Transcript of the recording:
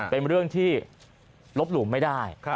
เป็นเรื่องที่ลบหลู่ไม่ได้